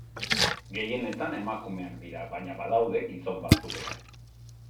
Gehienetan emakumeak dira baina badaude gizon batzuk ere.